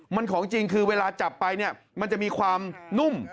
มันของจริงคือเวลาจับไปเนี่ยมันจะมีความนุ่ม